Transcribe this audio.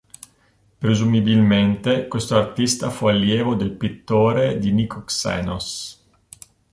Presumibilmente questo artista fu allievo del Pittore di Nikoxenos.